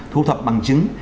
thu thập bằng chứng